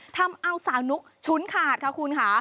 ทำเอาสาวนุ๊กฉุนขาดค่ะคุณค่ะ